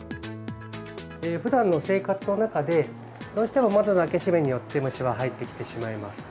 ふだんの生活の中で、どうしても窓の開け閉めによって、虫は入ってきてしまいます。